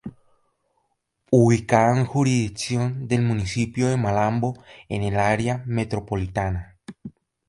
Ubicada en jurisdicción del municipio de Malambo en el Área Metropolitana.